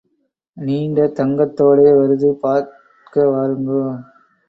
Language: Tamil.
நீண்ட தங்தத் தோடே வருது பார்க்க வாருங்கோ.